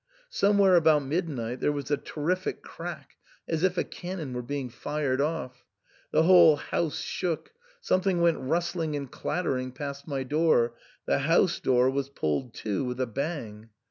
Somewhere about midnight there was a terrific crack, as if a cannon were being fired off. The whole house shook ; some thing went rustling and clattering past my door ; the house door Was pulled to with a bang.